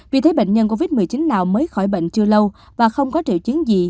vì thế bệnh nhân covid một mươi chín nào mới khỏi bệnh chưa lâu và không có triệu chứng gì